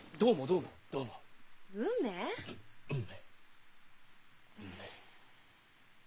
うん？